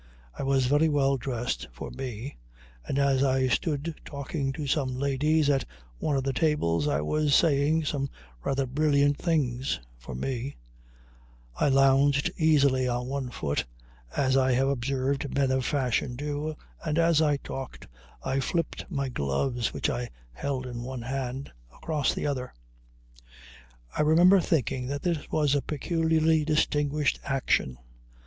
I was very well dressed, for me; and as I stood talking to some ladies at one of the tables I was saying some rather brilliant things, for me; I lounged easily on one foot, as I have observed men of fashion do, and as I talked, I flipped my gloves, which I held in one hand, across the other; I remember thinking that this was a peculiarly distinguished action.